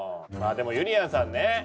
まあでもゆりやんさんね。